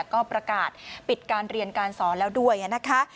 ก็ประกาศปิดการเรียนการสอนแล้วด้วยนะคะ